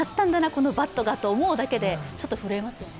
このバットがと思うだけでちょっと震えますよね。